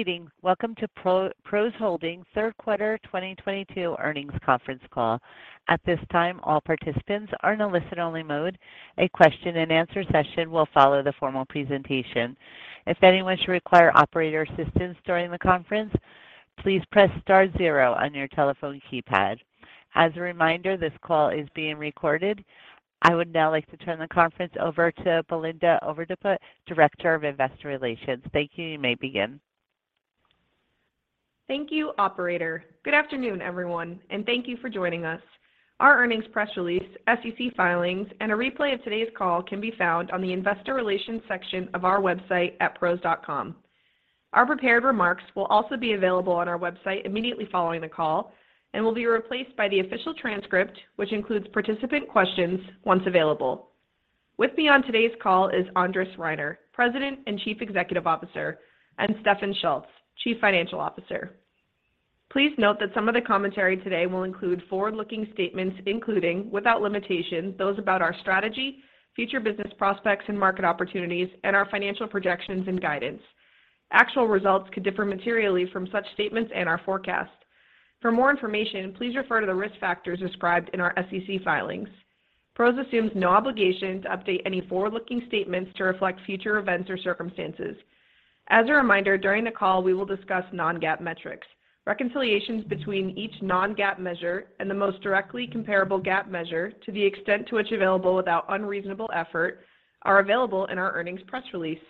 Good evening. Welcome to PROS Holdings third quarter 2022 earnings conference call. At this time, all participants are in a listen-only mode. A question-and-answer session will follow the formal presentation. If anyone should require operator assistance during the conference, please press star zero on your telephone keypad. As a reminder, this call is being recorded. I would now like to turn the conference over to Belinda Overdeput, Head of Investor Relations. Thank you. You may begin. Thank you, operator. Good afternoon, everyone, and thank you for joining us. Our earnings press release, SEC filings, and a replay of today's call can be found on the investor relations section of our website at PROS.com. Our prepared remarks will also be available on our website immediately following the call and will be replaced by the official transcript, which includes participant questions, once available. With me on today's call is Andres Reiner, President and Chief Executive Officer, and Stefan Schulz, Chief Financial Officer. Please note that some of the commentary today will include forward-looking statements including, without limitation, those about our strategy, future business prospects and market opportunities, and our financial projections and guidance. Actual results could differ materially from such statements and our forecast. For more information, please refer to the risk factors described in our SEC filings. PROS assumes no obligation to update any forward-looking statements to reflect future events or circumstances. As a reminder, during the call, we will discuss non-GAAP metrics. Reconciliations between each non-GAAP measure and the most directly comparable GAAP measure, to the extent to which available without unreasonable effort, are available in our earnings press release.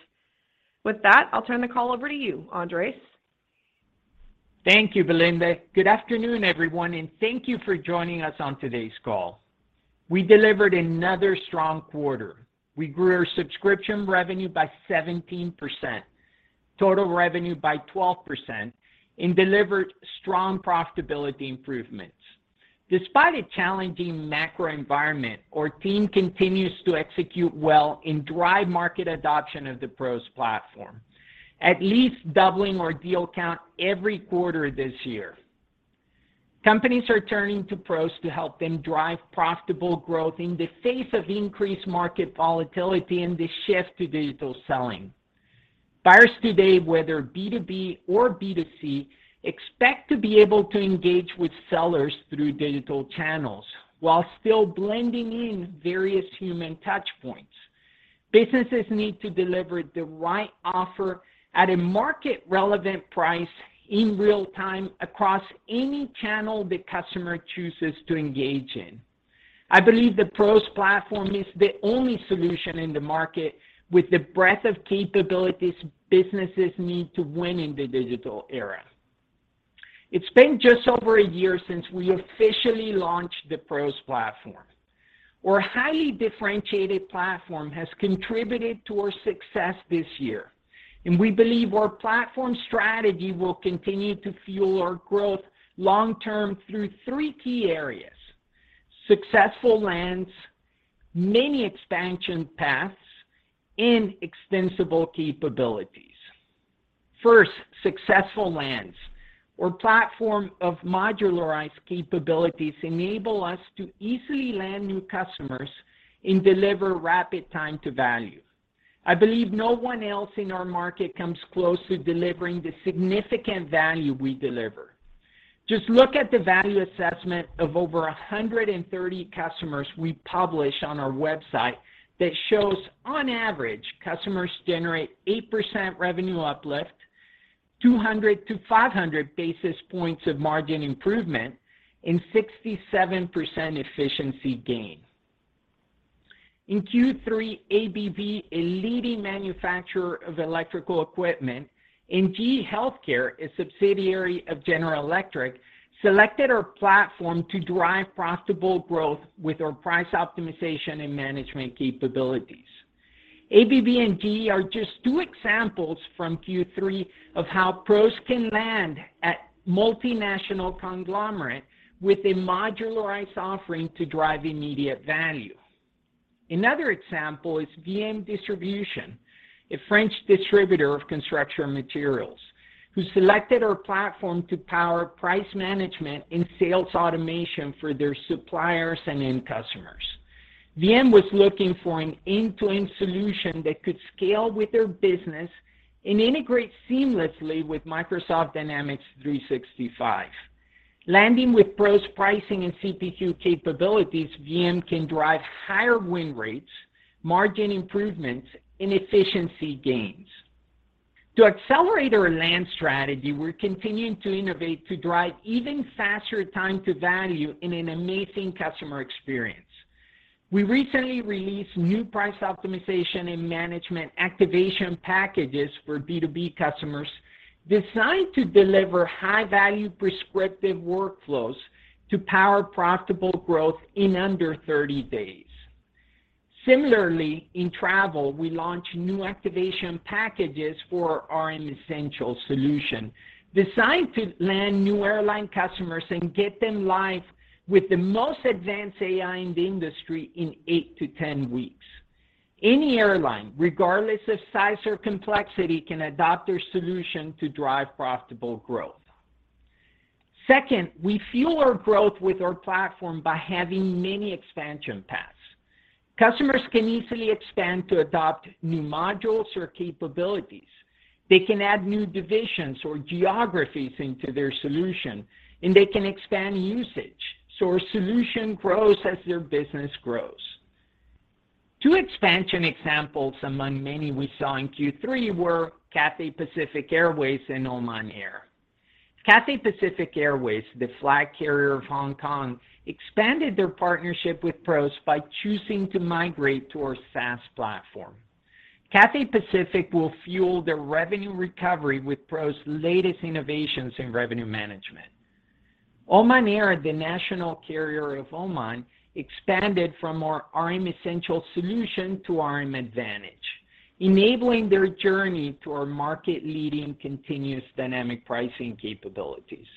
With that, I'll turn the call over to you, Andres. Thank you, Belinda. Good afternoon, everyone, and thank you for joining us on today's call. We delivered another strong quarter. We grew our subscription revenue by 17%, total revenue by 12%, and delivered strong profitability improvements. Despite a challenging macro environment, our team continues to execute well and drive market adoption of the PROS platform, at least doubling our deal count every quarter this year. Companies are turning to PROS to help them drive profitable growth in the face of increased market volatility and the shift to digital selling. Buyers today, whether B2B or B2C, expect to be able to engage with sellers through digital channels while still blending in various human touch points. Businesses need to deliver the right offer at a market-relevant price in real time across any channel the customer chooses to engage in. I believe the PROS platform is the only solution in the market with the breadth of capabilities businesses need to win in the digital era. It's been just over a year since we officially launched the PROS platform. Our highly differentiated platform has contributed to our success this year, and we believe our platform strategy will continue to fuel our growth long term through three key areas. Successful lands, many expansion paths, and extensible capabilities. First, successful lands. Our platform of modularized capabilities enable us to easily land new customers and deliver rapid time to value. I believe no one else in our market comes close to delivering the significant value we deliver. Just look at the value assessment of over 130 customers we publish on our website that shows on average, customers generate 8% revenue uplift, 200-500 basis points of margin improvement, and 67% efficiency gain. In Q3, ABB, a leading manufacturer of electrical equipment, and GE HealthCare, a subsidiary of General Electric, selected our platform to drive profitable growth with our price optimization and management capabilities. ABB and GE are just two examples from Q3 of how PROS can land a multinational conglomerate with a modularized offering to drive immediate value. Another example is VM Distribution, a French distributor of construction materials, who selected our platform to power price management and sales automation for their suppliers and end customers. VM was looking for an end-to-end solution that could scale with their business and integrate seamlessly with Microsoft Dynamics 365. Landing with PROS pricing and CPQ capabilities, VM can drive higher win rates, margin improvements, and efficiency gains. To accelerate our land strategy, we're continuing to innovate to drive even faster time to value and an amazing customer experience. We recently released new price optimization and management activation packages for B2B customers designed to deliver high-value prescriptive workflows to power profitable growth in under 30 days. Similarly, in travel, we launched new activation packages for our Essential solution, designed to land new airline customers and get them live with the most advanced AI in the industry in eight to 10 weeks. Any airline, regardless of size or complexity, can adopt their solution to drive profitable growth. Second, we fuel our growth with our platform by having many expansion paths. Customers can easily expand to adopt new modules or capabilities. They can add new divisions or geographies into their solution, and they can expand usage. Our solution grows as their business grows. Two expansion examples among many we saw in Q3 were Cathay Pacific Airways and Oman Air. Cathay Pacific Airways, the flag carrier of Hong Kong, expanded their partnership with PROS by choosing to migrate to our SaaS platform. Cathay Pacific will fuel their revenue recovery with PROS' latest innovations in revenue management. Oman Air, the national carrier of Oman, expanded from our RM Essentials solution to RM Advantage, enabling their journey to our market-leading continuous dynamic pricing capabilities.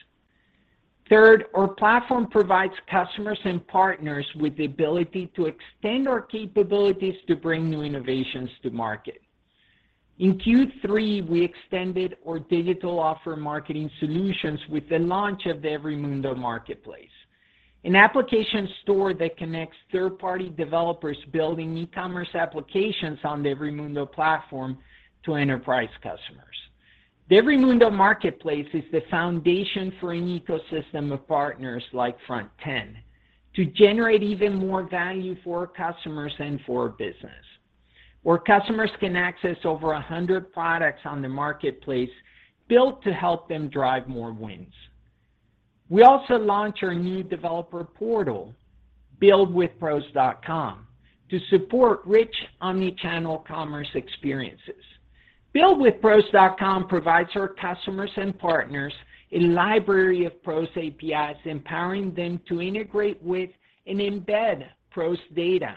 Third, our platform provides customers and partners with the ability to extend our capabilities to bring new innovations to market. In Q3, we extended our digital offer marketing solutions with the launch of the EveryMundo Marketplace, an application store that connects third-party developers building e-commerce applications on the EveryMundo platform to enterprise customers. The EveryMundo Marketplace is the foundation for an ecosystem of partners like Frontend to generate even more value for our customers and for our business, where customers can access over a hundred products on the marketplace built to help them drive more wins. We also launched our new developer portal, buildwithPROS.com, to support rich omni-channel commerce experiences. BuildwithPROS.com provides our customers and partners a library of PROS APIs, empowering them to integrate with and embed PROS data,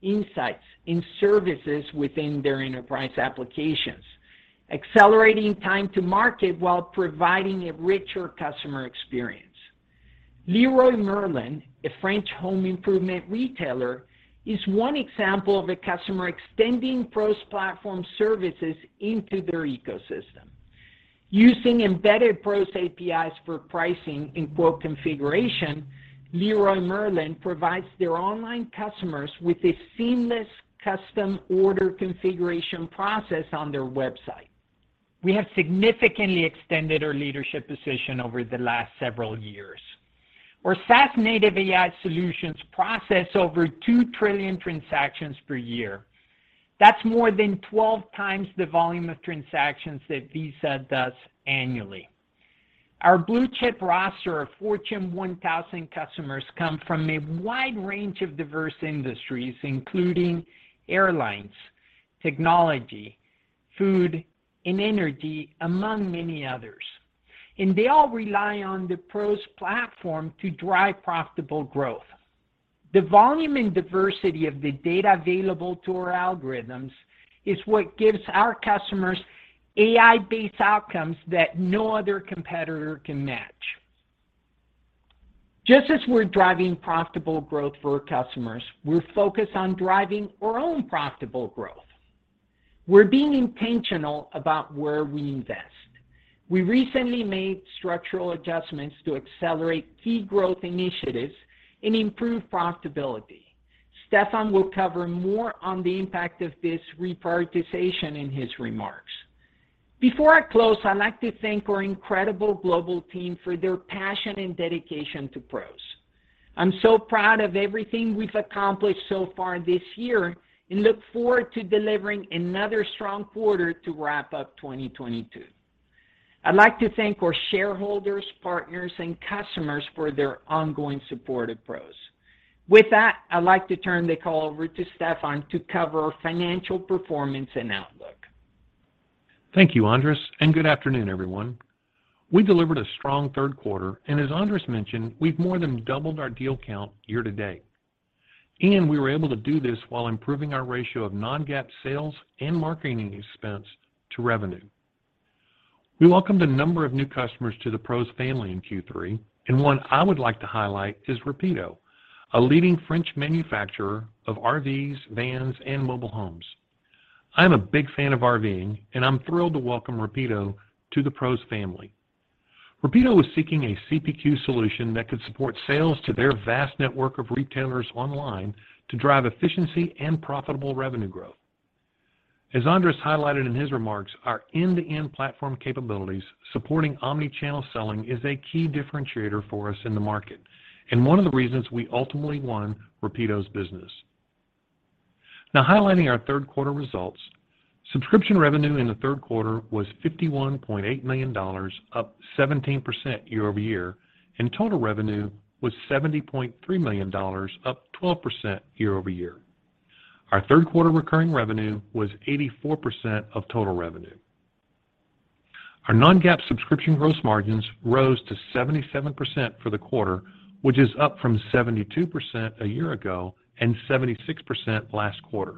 insights, and services within their enterprise applications, accelerating time to market while providing a richer customer experience. Leroy Merlin, a French home improvement retailer, is one example of a customer extending PROS platform services into their ecosystem. Using embedded PROS APIs for pricing and quote configuration, Leroy Merlin provides their online customers with a seamless custom order configuration process on their website. We have significantly extended our leadership position over the last several years. Our SaaS-native AI solutions process over 2 trillion transactions per year. That's more than 12 times the volume of transactions that Visa does annually. Our blue-chip roster of Fortune 1000 customers come from a wide range of diverse industries, including airlines, technology, food, and energy, among many others, and they all rely on the PROS platform to drive profitable growth. The volume and diversity of the data available to our algorithms is what gives our customers AI-based outcomes that no other competitor can match. Just as we're driving profitable growth for our customers, we're focused on driving our own profitable growth. We're being intentional about where we invest. We recently made structural adjustments to accelerate key growth initiatives and improve profitability. Stefan will cover more on the impact of this reprioritization in his remarks. Before I close, I'd like to thank our incredible global team for their passion and dedication to PROS. I'm so proud of everything we've accomplished so far this year and look forward to delivering another strong quarter to wrap up 2022. I'd like to thank our shareholders, partners, and customers for their ongoing support of PROS. With that, I'd like to turn the call over to Stefan to cover financial performance and outlook. Thank you, Andres, and good afternoon, everyone. We delivered a strong third quarter, and as Andres mentioned, we've more than doubled our deal count year to date. We were able to do this while improving our ratio of non-GAAP sales and marketing expense to revenue. We welcomed a number of new customers to the PROS family in Q3, and one I would like to highlight is Rapido, a leading French manufacturer of RVs, vans, and mobile homes. I'm a big fan of RVing, and I'm thrilled to welcome Rapido to the PROS family. Rapido was seeking a CPQ solution that could support sales to their vast network of retailers online to drive efficiency and profitable revenue growth. As Andres highlighted in his remarks, our end-to-end platform capabilities supporting omni-channel selling is a key differentiator for us in the market, and one of the reasons we ultimately won Rapido's business. Highlighting our third quarter results, subscription revenue in the third quarter was $51.8 million, up 17% year-over-year, and total revenue was $70.3 million, up 12% year-over-year. Our third quarter recurring revenue was 84% of total revenue. Our non-GAAP subscription gross margins rose to 77% for the quarter, which is up from 72% a year ago and 76% last quarter.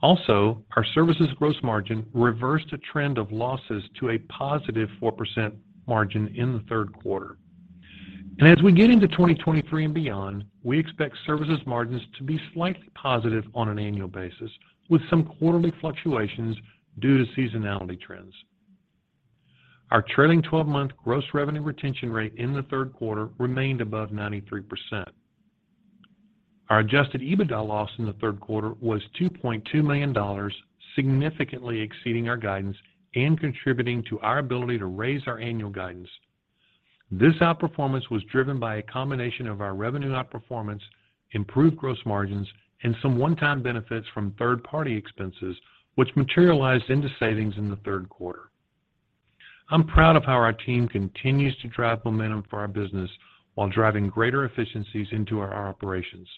Also, our services gross margin reversed a trend of losses to a positive 4% margin in the third quarter. As we get into 2023 and beyond, we expect services margins to be slightly positive on an annual basis, with some quarterly fluctuations due to seasonality trends. Our trailing-twelve-month gross revenue retention rate in the third quarter remained above 93%. Our adjusted EBITDA loss in the third quarter was $2.2 million, significantly exceeding our guidance and contributing to our ability to raise our annual guidance. This outperformance was driven by a combination of our revenue outperformance, improved gross margins, and some one-time benefits from third-party expenses which materialized into savings in the third quarter. I'm proud of how our team continues to drive momentum for our business while driving greater efficiencies into our operations.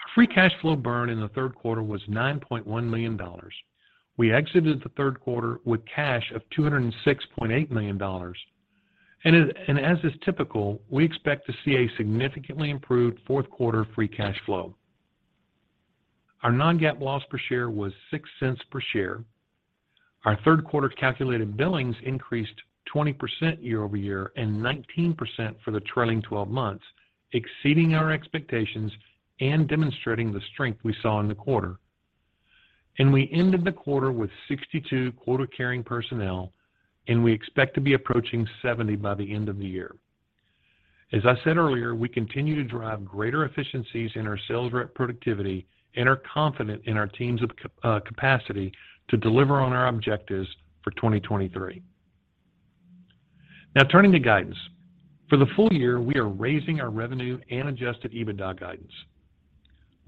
Our free cash flow burn n the third quarter was $9.1 million. We exited the third quarter with cash of $206.8 million. We expect to see a significantly improved fourth quarter free cash flow. Our non-GAAP loss per share was $0.06 per share. Our third quarter calculated billings increased 20% year over year and 19% for the trailing-twelve months, exceeding our expectations and demonstrating the strength we saw in the quarter. We ended the quarter with 62 quota-carrying personnel, and we expect to be approaching 70 by the end of the year. As I said earlier, we continue to drive greater efficiencies in our sales rep productivity and are confident in our team's capacity to deliver on our objectives for 2023. Now turning to guidance. For the full year, we are raising our revenue and adjusted EBITDA guidance.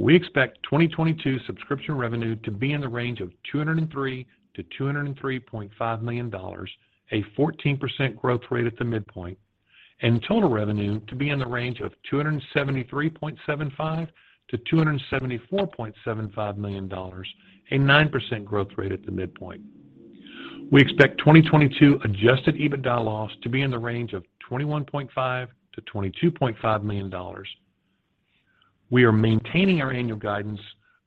We expect 2022 subscription revenue to be in the range of $203 million-$203.5 million, a 14% growth rate at the midpoint, and total revenue to be in the range of $273.75 million-$274.75 million, a 9% growth rate at the midpoint. We expect 2022 adjusted EBITDA loss to be in the range of $21.5 million-$22.5 million. We are maintaining our annual guidance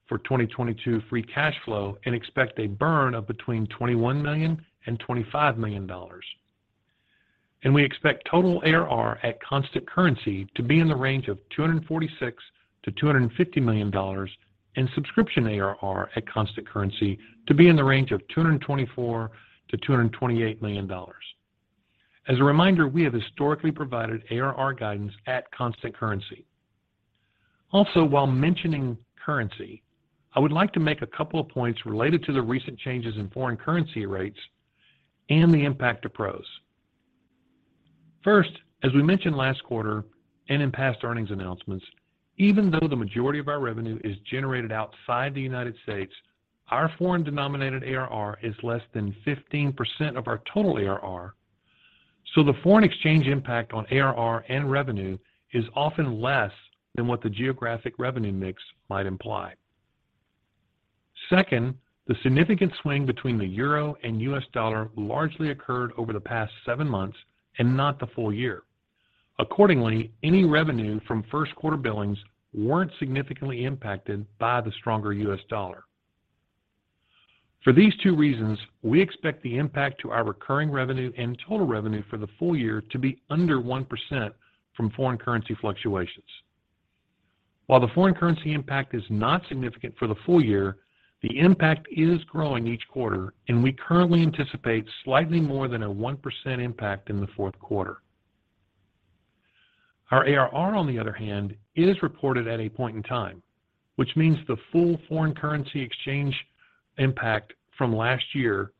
for 2022 free cash flow and expect a burn of between $21 million and $25 million. We expect total ARR at constant currency to be in the range of $246 million-$250 million, and subscription ARR at constant currency to be in the range of $224 million-$228 million. As a reminder, we have historically provided ARR guidance at constant currency. Also, while mentioning currency, I would like to make a couple of points related to the recent changes in foreign currency rates and the impact to PROS. First, as we mentioned last quarter and in past earnings announcements, even though the majority of our revenue is generated outside the United States, our foreign-denominated ARR is less than 15% of our total ARR. The foreign exchange impact on ARR and revenue is often less than what the geographic revenue mix might imply. Second, the significant swing between the euro and US dollar largely occurred over the past seven months and not the full year. Accordingly, any revenue from first quarter billings weren't significantly impacted by the stronger US dollar. For these two reasons, we expect the impact to our recurring revenue and total revenue for the full year to be under 1% from foreign currency fluctuations. While the foreign currency impact is not significant for the full year, the impact is growing each quarter, and we currently anticipate slightly more than a 1% impact in the fourth quarter. Our ARR, on the other hand, is reported at a point in time, which means the full foreign currency exchange impact from last year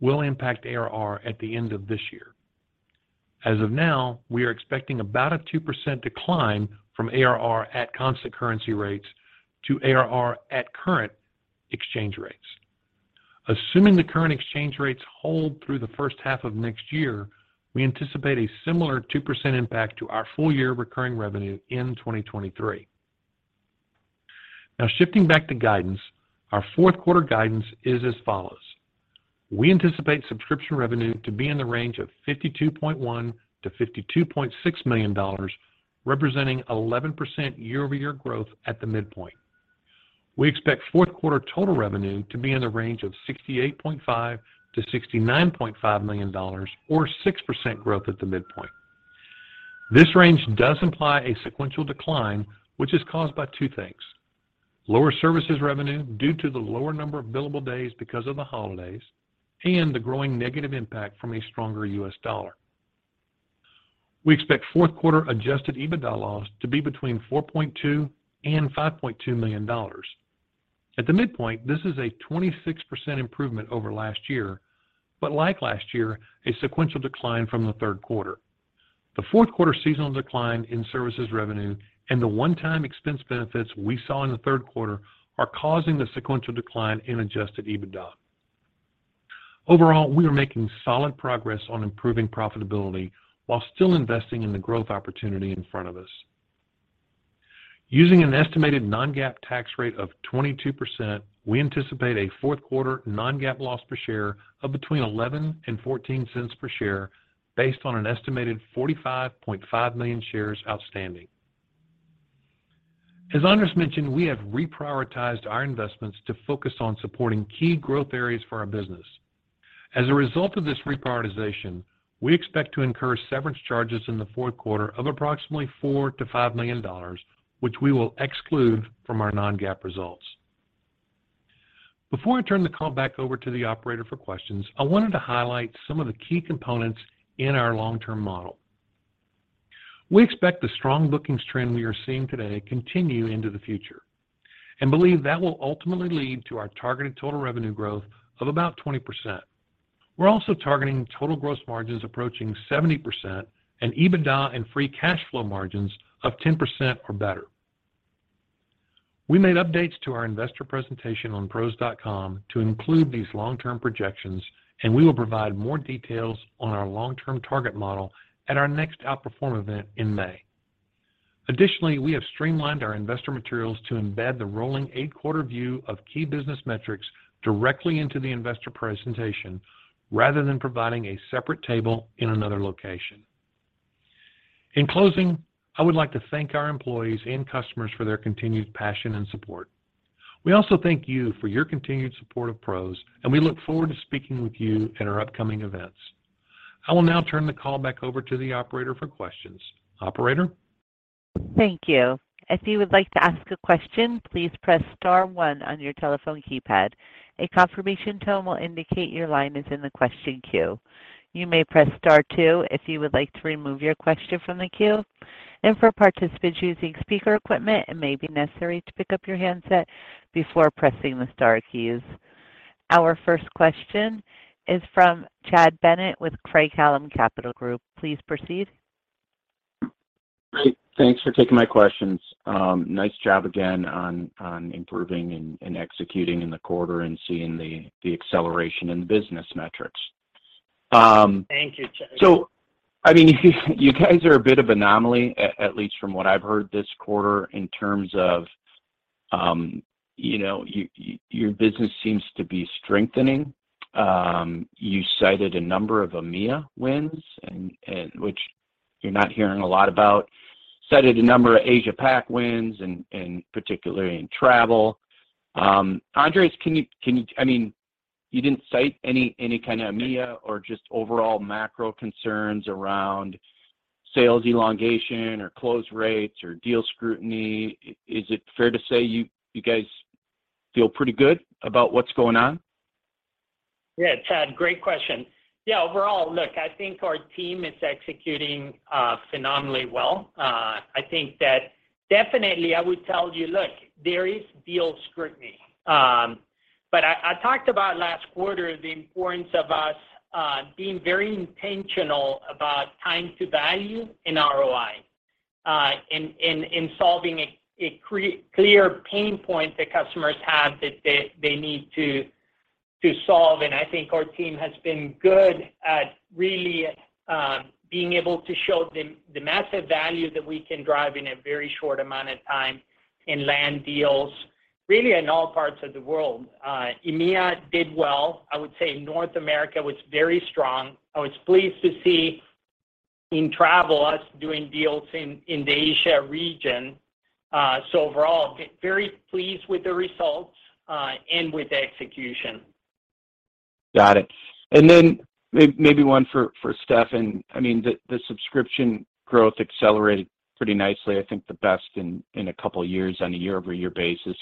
will impact ARR at the end of this year. As of now, we are expecting about a 2% decline from ARR at constant currency rates to ARR at current exchange rates. Assuming the current exchange rates hold through the first half of next year, we anticipate a similar 2% impact to our full year recurring revenue in 2023. Now shifting back to guidance, our fourth quarter guidance is as follows. We anticipate subscription revenue to be in the range of $52.1 million-$52.6 million, representing 11% year-over-year growth at the midpoint. We expect fourth quarter total revenue to be in the range of $68.5 million-$69.5 million or 6% growth at the midpoint. This range does imply a sequential decline, which is caused by two things, lower services revenue due to the lower number of billable days because of the holidays and the growing negative impact from a stronger US dollar. We expect fourth quarter adjusted EBITDA loss to be between $4.2 million and $5.2 million. At the midpoint, this is a 26% improvement over last year, but like last year, a sequential decline from the third quarter. The fourth quarter seasonal decline in services revenue and the one-time expense benefits we saw in the third quarter are causing the sequential decline in adjusted EBITDA. Overall, we are making solid progress on improving profitability while still investing in the growth opportunity in front of us. Using an estimated non-GAAP tax rate of 22%, we anticipate a fourth quarter non-GAAP loss per share of between $0.11 and $0.14 per share based on an estimated 45.5 million shares outstanding. Andres mentioned, we have reprioritized our investments to focus on supporting key growth areas for our business. As a result of this reprioritization, we expect to incur severance charges in the fourth quarter of approximately $4-$5 million, which we will exclude from our non-GAAP results. Before I turn the call back over to the operator for questions, I wanted to highlight some of the key components in our long-term model. We expect the strong bookings trend we are seeing today continue into the future, and believe that will ultimately lead to our targeted total revenue growth of about 20%. We're also targeting total gross margins approaching 70% and EBITDA and free cash flow margins of 10% or better. We made updates to our investor presentation on PROS.com to include these long-term projections, and we will provide more details on our long-term target model at our next Outperform event in May. Additionally, we have streamlined our investor materials to embed the rolling eight quarter view of key business metrics directly into the investor presentation, rather than providing a separate table in another location. In closing, I would like to thank our employees and customers for their continued passion and support. We also thank you for your continued support of PROS, and we look forward to speaking with you in our upcoming events. I will now turn the call back over to the operator for questions. Operator? Thank you. If you would like to ask a question, please press star one on your telephone keypad. A confirmation tone will indicate your line is in the question queue. You may press star two if you would like to remove your question from the queue. For participants using speaker equipment, it may be necessary to pick up your handset before pressing the star keys. Our first question is from Chad Bennett with Craig-Hallum Capital Group. Please proceed. Great. Thanks for taking my questions. Nice job again on improving and executing in the quarter and seeing the acceleration in the business metrics. Thank you, Chad. I mean, you guys are a bit of anomaly, at least from what I've heard this quarter, in terms of, you know, your business seems to be strengthening. You cited a number of EMEA wins and which you're not hearing a lot about. You cited a number of Asia Pac wins, in particular in travel. Andres, can you? I mean, you didn't cite any kind of EMEA or just overall macro concerns around sales elongation or close rates or deal scrutiny. Is it fair to say you guys feel pretty good about what's going on? Yeah, Chad, great question. Yeah, overall, look, I think our team is executing phenomenally well. I think that definitely I would tell you, look, there is deal scrutiny. I talked about last quarter the importance of us being very intentional about time to value and ROI in solving a clear pain point that customers have that they need to solve. I think our team has been good at really being able to show the massive value that we can drive in a very short amount of time in land deals, really in all parts of the world. EMEA did well. I would say North America was very strong. I was pleased to see in travel us doing deals in the Asia region. Overall, very pleased with the results, and with the execution. Got it. Maybe one for Stefan. I mean, the subscription growth accelerated pretty nicely, I think the best in a couple of years on a year-over-year basis.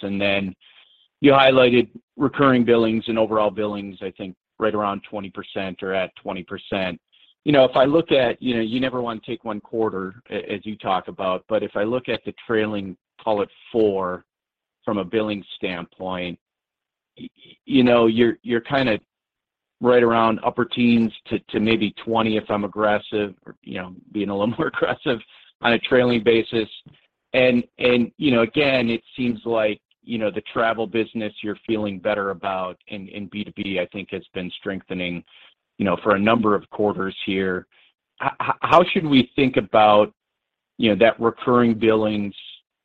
You highlighted recurring billings and overall billings, I think right around 20% or at 20%. You know, if I look at, you know, you never want to take one quarter, as you talk about, but if I look at the trailing, call it four from a billing standpoint, you know, you're kind of right around upper teens to maybe 20, if I'm aggressive or, you know, being a little more aggressive on a trailing basis. You know, again, it seems like, you know, the travel business you're feeling better about and B2B, I think, has been strengthening, you know, for a number of quarters here. How should we think about, you know, that recurring billings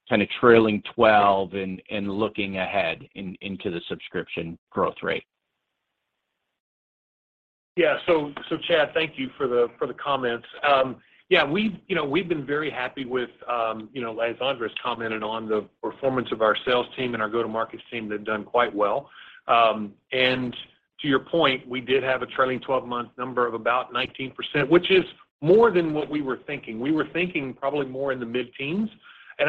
kind of trailing-twelve and looking ahead into the subscription growth rate? Yeah. Chad, thank you for the comments. Yeah, we've been very happy with, you know, as Andres commented on the performance of our sales team and our go-to-market team, they've done quite well. To your point, we did have a trailing-twelve-month number of about 19%, which is more than what we were thinking. We were thinking probably more in the mid-teens.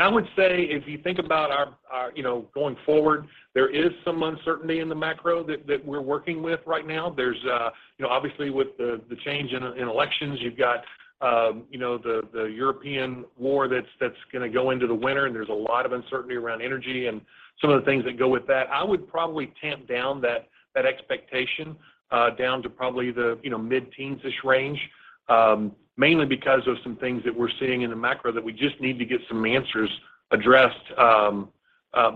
I would say if you think about our, you know, going forward, there is some uncertainty in the macro that we're working with right now. There's, you know, obviously with the change in elections, you've got, you know, the European war that's gonna go into the winter, and there's a lot of uncertainty around energy and some of the things that go with that. I would probably tamp down that expectation down to probably the, you know mid-teens-ish range, mainly because of some things that we're seeing in the macro that we just need to get some answers addressed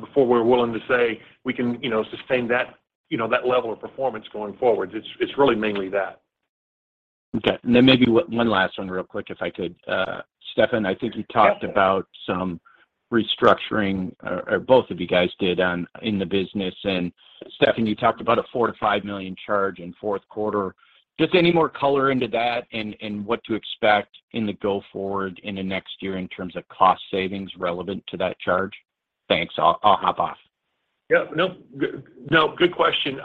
before we're willing to say we can you know sustain that you know that level of performance going forward. It's really mainly that. Okay. Maybe one last one real quick, if I could. Stefan, I think you talked about some restructuring, or both of you guys did in the business. Stefan, you talked about a $4 million-$5 million charge in fourth quarter. Just any more color into that and what to expect going forward in the next year in terms of cost savings relevant to that charge? Thanks. I'll hop off. Yeah, no, good question.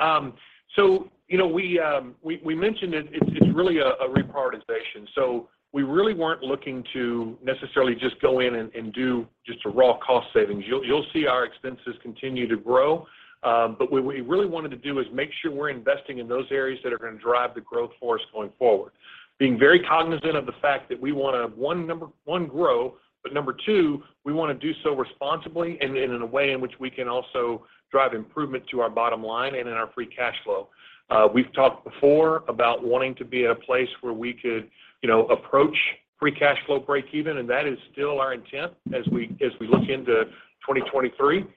You know, we mentioned it's really a reprioritization. We really weren't looking to necessarily just go in and do just a raw cost savings. You'll see our expenses continue to grow, but what we really wanted to do is make sure we're investing in those areas that are gonna drive the growth for us going forward, being very cognizant of the fact that we wanna number one grow, but number two we wanna do so responsibly and in a way in which we can also drive improvement to our bottom line and in our free cash flow. We've talked before about wanting to be at a place where we could approach free cash flow breakeven, and that is still our intent as we look into 2023.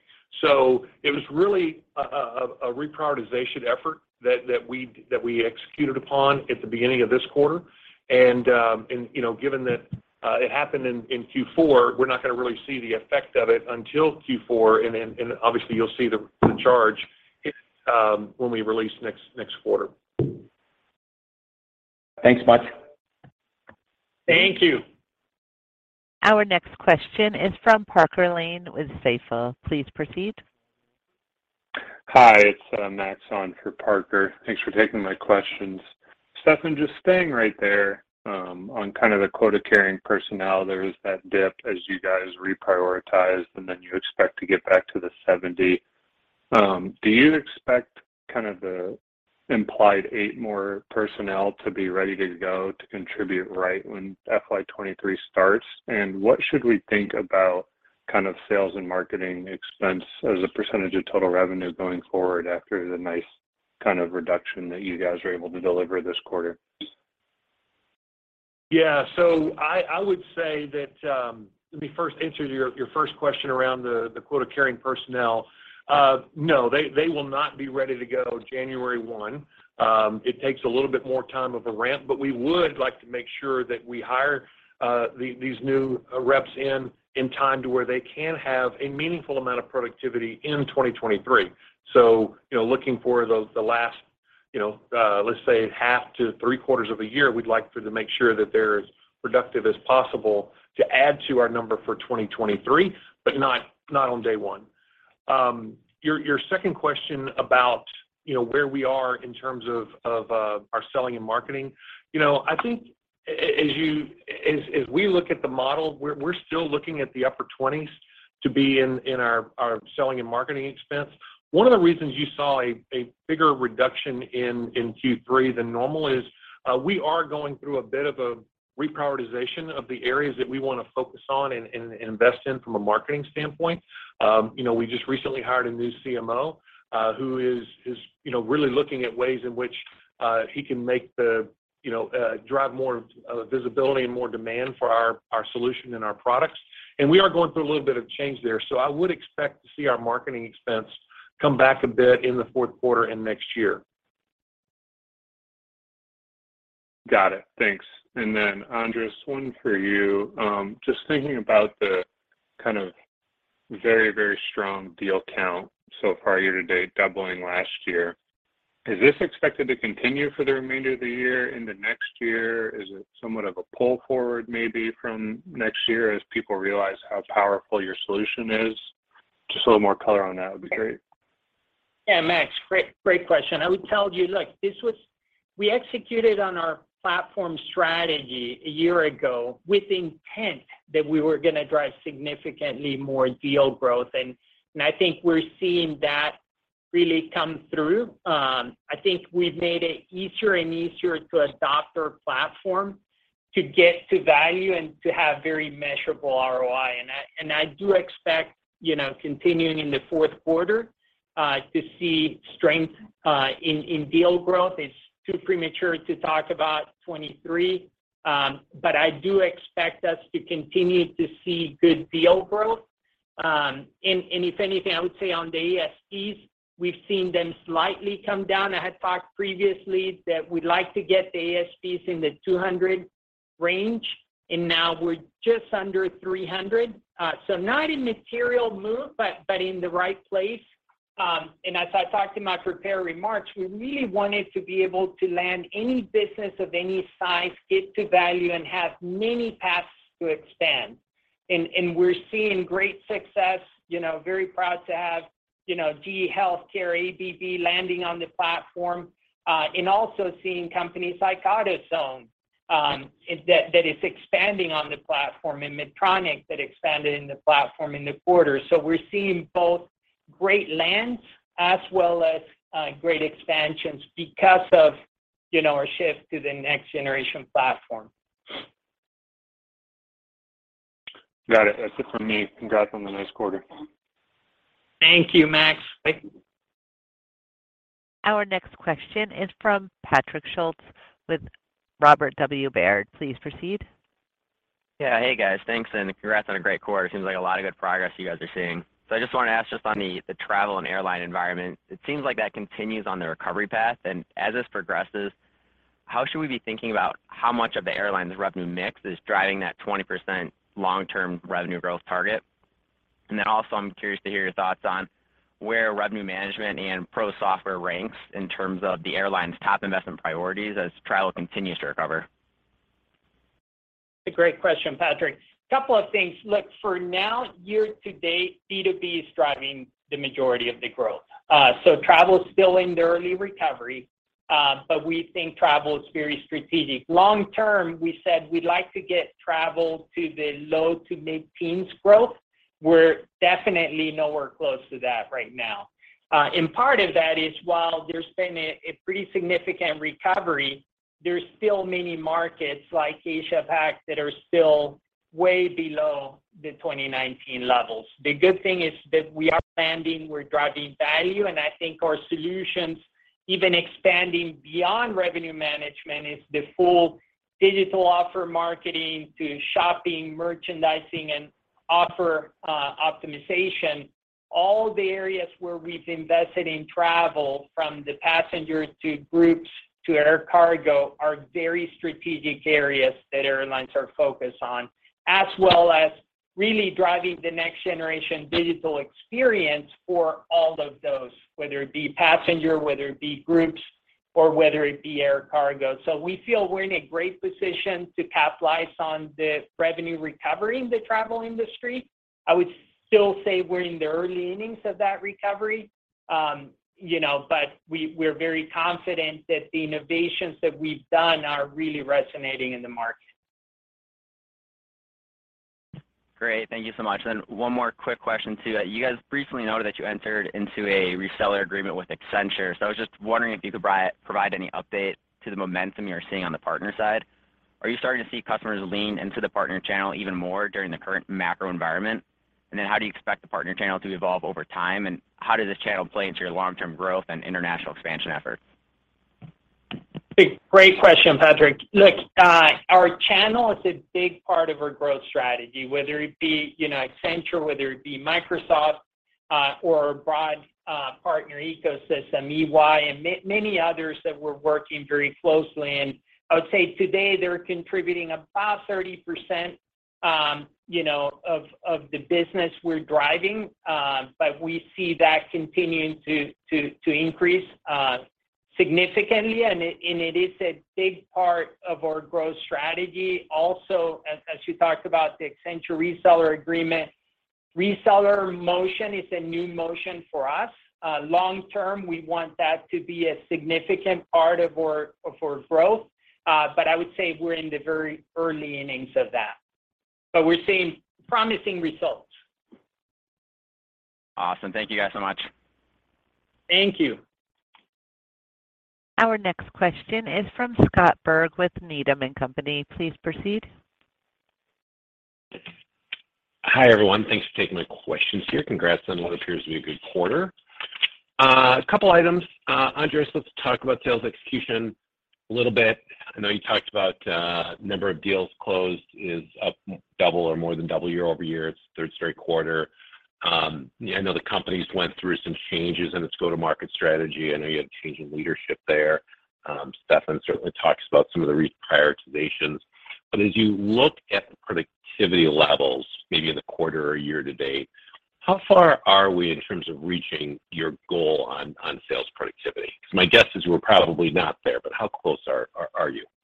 It was really a reprioritization effort that we executed upon at the beginning of this quarter. You know, given that it happened in Q4, we're not gonna really see the effect of it until Q4, and obviously you'll see the charge if, when we release next quarter. Thanks much. Thank you. Our next question is from Parker Lane with Stifel. Please proceed. Hi, it's Max on for Parker Lane. Thanks for taking my questions. Stefan Schulz, just staying right there, on kind of the quota-carrying personnel, there was that dip as you guys reprioritized, and then you expect to get back to the 70. Do you expect kind of the implied eight more personnel to be ready to go to contribute right when FY 2023 starts? And what should we think about kind of sales and marketing expense as a percentage of total revenue going forward after the nice kind of reduction that you guys were able to deliver this quarter? Yeah. I would say that, let me first answer your first question around the quota-carrying personnel. No, they will not be ready to go January 1. It takes a little bit more time of a ramp, but we would like to make sure that we hire these new reps in time to where they can have a meaningful amount of productivity in 2023. You know, looking for the last, you know, let's say half to three-quarters of a year, we'd like to make sure that they're as productive as possible to add to our number for 2023, but not on day one. Your second question about, you know, where we are in terms of our selling and marketing, you know, I think as we look at the model, we're still looking at the upper 20s% for our selling and marketing expense. One of the reasons you saw a bigger reduction in Q3 than normal is we are going through a bit of a reprioritization of the areas that we wanna focus on and invest in from a marketing standpoint. You know, we just recently hired a new CMO who is, you know, really looking at ways in which he can make the, you know, drive more visibility and more demand for our solution and our products. We are going through a little bit of change there, so I would expect to see our marketing expense come back a bit in the fourth quarter and next year. Got it. Thanks. Andres, one for you. Just thinking about the kind of very strong deal count so far year to date, doubling last year. Is this expected to continue for the remainder of the year, into next year? Is it somewhat of a pull forward maybe from next year as people realize how powerful your solution is? Just a little more color on that would be great. Yeah, Max, great question. I would tell you, look, we executed on our platform strategy a year ago with intent that we were gonna drive significantly more deal growth. I think we're seeing that really come through. I think we've made it easier and easier to adopt our platform to get to value and to have very measurable ROI. I do expect, you know, continuing in the fourth quarter, to see strength in deal growth. It's too premature to talk about 2023. I do expect us to continue to see good deal growth. If anything, I would say on the ASPs, we've seen them slightly come down. I had talked previously that we'd like to get the ASPs in the 200 range, and now we're just under 300. Not a material move, but in the right place. As I talked in my prepared remarks, we really wanted to be able to land any business of any size, get to value, and have many paths to expand. We're seeing great success, you know, very proud to have, you know, GE HealthCare, ABB landing on the platform, and also seeing companies like AutoZone that is expanding on the platform, and Medtronic that expanded on the platform in the quarter. We're seeing both great lands as well as great expansions because of, you know, our shift to the next generation platform. Got it. That's it from me. Congrats on the nice quarter. Thank you, Max. Thank you. Our next question is from Patrick Schulz with Robert W. Baird. Please proceed. Yeah. Hey, guys. Thanks, and congrats on a great quarter. Seems like a lot of good progress you guys are seeing. I just wanna ask just on the travel and airline environment. It seems like that continues on the recovery path. As this progresses, how should we be thinking about how much of the airline's revenue mix is driving that 20% long-term revenue growth target? I'm curious to hear your thoughts on where revenue management and PROS software ranks in terms of the airline's top investment priorities as travel continues to recover. A great question, Patrick. Couple of things. Look, for now, year to date, B2B is driving the majority of the growth. So travel's still in the early recovery, but we think travel is very strategic. Long term, we said we'd like to get travel to the low- to mid-teens% growth. We're definitely nowhere close to that right now. And part of that is while there's been a pretty significant recovery, there's still many markets like Asia-Pac that are still way below the 2019 levels. The good thing is that we are expanding, we're driving value, and I think our solutions, even expanding beyond revenue management, is the full Digital Offer Marketing to shopping, merchandising, and offer optimization. All the areas where we've invested in travel, from the passengers to groups to air cargo, are very strategic areas that airlines are focused on. As well as really driving the next generation digital experience for all of those, whether it be passenger, whether it be groups, or whether it be air cargo. We feel we're in a great position to capitalize on the revenue recovery in the travel industry. I would still say we're in the early innings of that recovery, you know, but we're very confident that the innovations that we've done are really resonating in the market. Great. Thank you so much. One more quick question too. You guys briefly noted that you entered into a reseller agreement with Accenture. I was just wondering if you could provide any update to the momentum you're seeing on the partner side. Are you starting to see customers lean into the partner channel even more during the current macro environment? How do you expect the partner channel to evolve over time, and how does this channel play into your long-term growth and international expansion efforts? Great question, Patrick. Look, our channel is a big part of our growth strategy, whether it be, you know, Accenture, whether it be Microsoft, or broad partner ecosystem, EY, and many others that we're working very closely. I would say today they're contributing about 30%, you know, of the business we're driving, but we see that continuing to increase significantly. It is a big part of our growth strategy. Also as you talked about the Accenture reseller agreement, reseller motion is a new motion for us. Long term, we want that to be a significant part of our growth. I would say we're in the very early innings of that. We're seeing promising results. Awesome. Thank you guys so much. Thank you. Our next question is from Scott Berg with Needham & Company. Please proceed. Hi, everyone. Thanks for taking my questions here. Congrats on what appears to be a good quarter. A couple items. Andres, let's talk about sales execution a little bit. I know you talked about number of deals closed is up double or more than double year-over-year. It's third straight quarter. I know the company went through some changes in its go-to-market strategy. I know you had a change in leadership there. Stefan certainly talks about some of the reprioritizations. As you look at the productivity levels, maybe in the quarter or year to date, how far are we in terms of reaching your goal on sales productivity? Because my guess is we're probably not there, but how close are you? Yeah,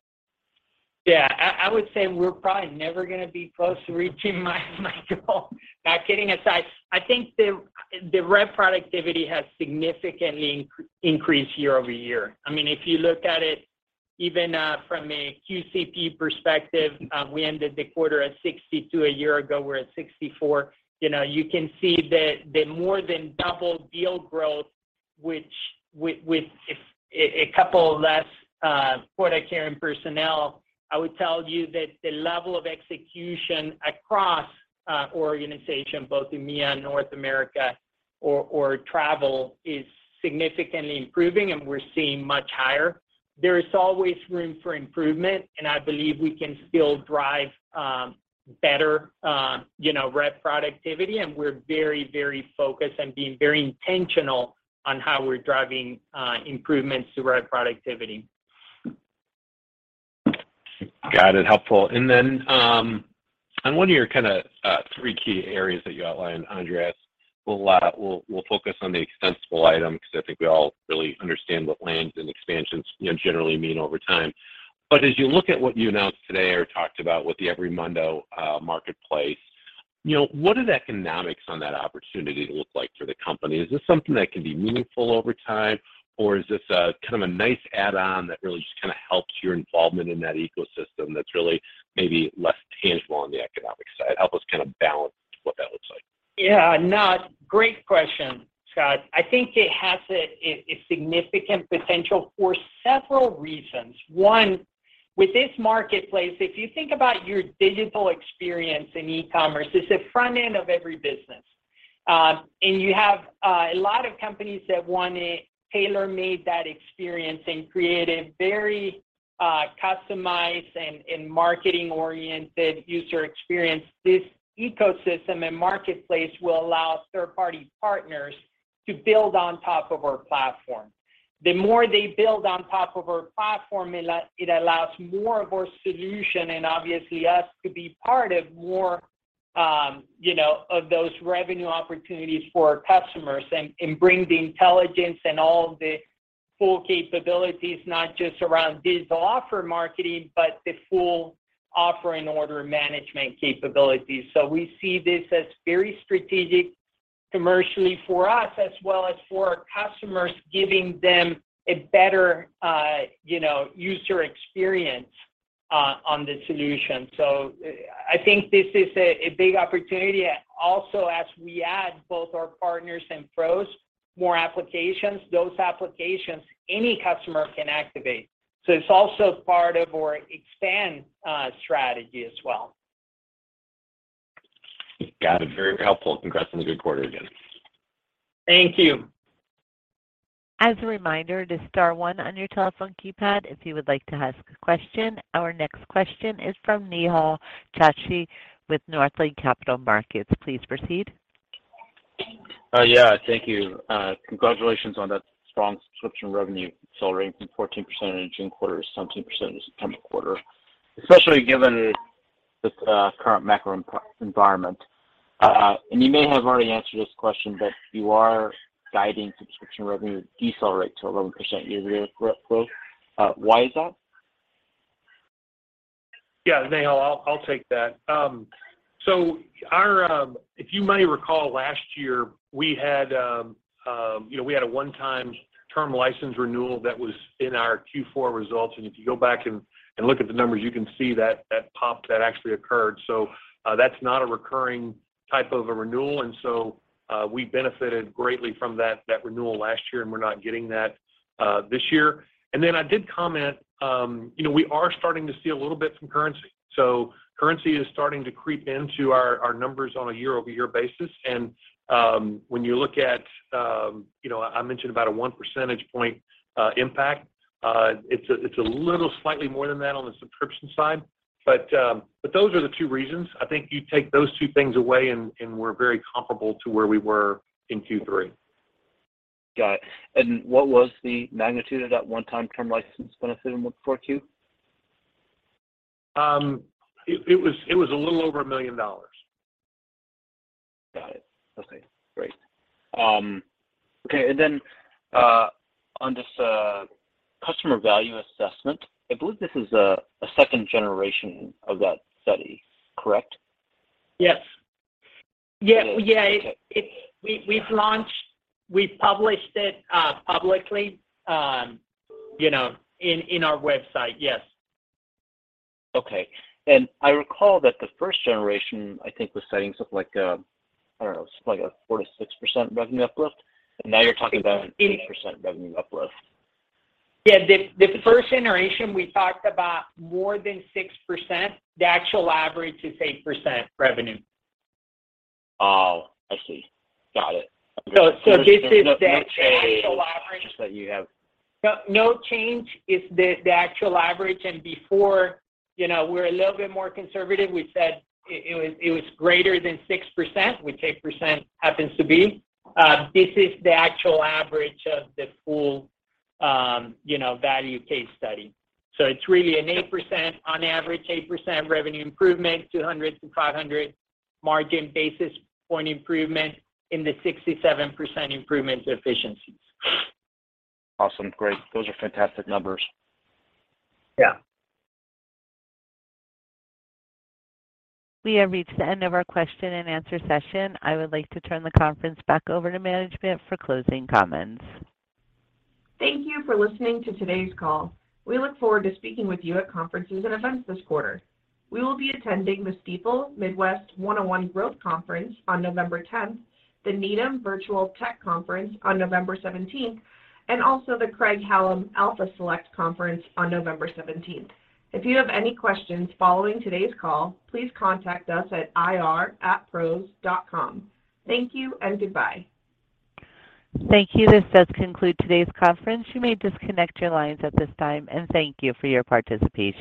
I would say we're probably never gonna be close to reaching my goal. Kidding aside, I think the rep productivity has significantly increased year-over-year. I mean, if you look at it even from a QCP perspective, we ended the quarter at 62 a year ago, we're at 64. You know, you can see the more than double deal growth, which with a couple less quota-carrying personnel, I would tell you that the level of execution across organization, both EMEA, North America or travel, is significantly improving and we're seeing much higher. There is always room for improvement, and I believe we can still drive better rep productivity, and we're very focused on being very intentional on how we're driving improvements to rep productivity. Got it. Helpful. On one of your kind of three key areas that you outlined, Andres, we'll focus on the extensible item because I think we all really understand what lands and expansions, you know, generally mean over time. But as you look at what you announced today or talked about with the EveryMundo Marketplace, you know, what do the economics on that opportunity look like for the company? Is this something that can be meaningful over time, or is this a kind of a nice add-on that really just kind of helps your involvement in that ecosystem that's really maybe less tangible on the economic side? Help us kind of balance what that looks like. Yeah, no, great question, Scott. I think it has a significant potential for several reasons. One, with this marketplace, if you think about your digital experience in e-commerce, it's the front-end of every business. And you have a lot of companies that want a tailor-made that experience and create a very customized and marketing-oriented user experience. This ecosystem and marketplace will allow third-party partners to build on top of our platform. The more they build on top of our platform, it allows more of our solution and obviously us to be part of more, you know, of those revenue opportunities for our customers and bring the intelligence and all the full capabilities, not just around digital offer marketing, but the full offer and order management capabilities. We see this as very strategic commercially for us as well as for our customers, giving them a better, you know, user experience on the solution. I think this is a big opportunity. Also, as we add both our partners and PROS, more applications, those applications any customer can activate. It's also part of our expand strategy as well. Got it. Very helpful. Congrats on the good quarter again. Thank you. As a reminder to star one on your telephone keypad if you would like to ask a question. Our next question is from Nehal Chokshi with Northland Capital Markets. Please proceed. Yeah. Thank you. Congratulations on that strong subscription revenue accelerating from 14% in the June quarter to 17% in the September quarter, especially given the current macro environment. You may have already answered this question, but you are guiding subscription revenue to decelerate to 11% year over year growth. Why is that? Yeah, Nehal, I'll take that. If you may recall, last year we had, you know, a one-time term license renewal that was in our Q4 results. If you go back and look at the numbers, you can see that pop that actually occurred. That's not a recurring type of a renewal. We benefited greatly from that renewal last year, and we're not getting that this year. I did comment, you know, we are starting to see a little bit from currency. Currency is starting to creep into our numbers on a year-over-year basis. When you look at, you know, I mentioned about a one percentage point impact, it's a little slightly more than that on the subscription side. those are the two reasons. I think you take those two things away and we're very comparable to where we were in Q3. Got it. What was the magnitude of that one-time term license benefit in the fourth Q? It was a little over $1 million. Got it. Okay, great. Okay. On this customer value assessment, I believe this is a second generation of that study, correct? Yes. Yeah. Yeah. Okay. We published it publicly, you know, on our website. Yes. Okay. I recall that the first generation, I think, was setting something like, I don't know, like a 4%-6% revenue uplift. Now you're talking about an 8% revenue uplift. Yeah. The first generation we talked about more than 6%. The actual average is 8% revenue. Oh, I see. Got it. This is the actual average. Just that you have. No, no change. It's the actual average. Before, you know, we're a little bit more conservative, we said it was greater than 6%, which 8% happens to be. This is the actual average of the full, you know, value case study. It's really an 8%, on average 8% revenue improvement, 200-500 Margin Basis Point improvement, and a 67% improvement efficiencies. Awesome. Great. Those are fantastic numbers. Yeah. We have reached the end of our question and answer session. I would like to turn the conference back over to management for closing comments. Thank you for listening to today's call. We look forward to speaking with you at conferences and events this quarter. We will be attending the Stifel Midwest One-on-One Growth Conference on November 10, the Needham Virtual Technology & Media Conference on November 17, and also the Craig-Hallum Alpha Select Conference on November 17. If you have any questions following today's call, please contact us at ir@pros.com. Thank you and goodbye. Thank you. This does conclude today's conference. You may disconnect your lines at this time, and thank you for your participation.